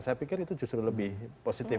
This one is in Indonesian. saya pikir itu justru lebih positif